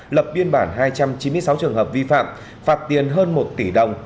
lập biên bản hai trăm chín mươi sáu trường hợp vi phạm phạt tiền hơn một tỷ đồng